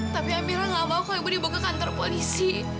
tapi amira gak mau kalo ibu dibuka kantor polisi